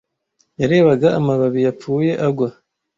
Yarebaga amababi yapfuye agwa.